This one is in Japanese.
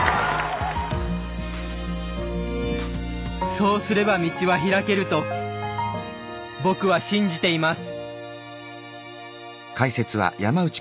そうすれば道は開けると僕は信じています。